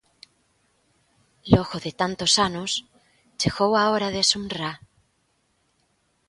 Logo de tantos anos, chegou a hora de Sumrrá?